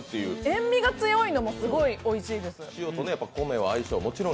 塩味が強いのもすごくおいしいです。